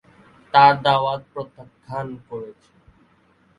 তার দাওয়াত প্রত্যাখ্যান করেছে।